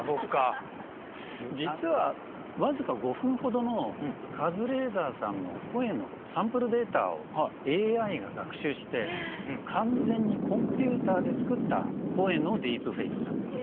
実は僅か５分ほどのカズレーザーさんの声のサンプルデータをＡＩが学習して、完全にコンピューターで作った声のディープフェイクスなんです。